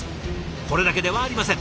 これだけではありません。